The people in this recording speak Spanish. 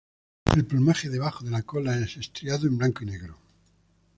El plumaje debajo de la cola es estriado en blanco y negro.